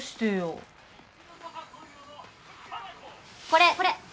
これこれ！